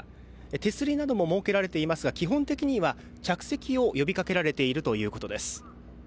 手すりなども設けられていますが基本的には着席を呼びかけられているということです。